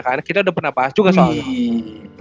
karena kita udah pernah bahas juga soalnya